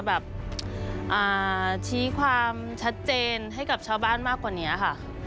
แบบชี้ความชัดเจนให้กับชาวบ้านมากกว่านี้ค่ะ